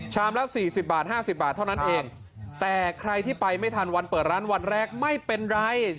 ละ๔๐บาท๕๐บาทเท่านั้นเองแต่ใครที่ไปไม่ทันวันเปิดร้านวันแรกไม่เป็นไร